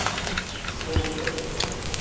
燻製